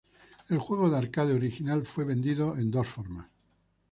El juego de arcade original fue vendido en dos formas.